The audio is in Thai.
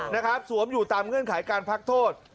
นะครับสวมอยู่ตามเงื่อนไถการพลักถอด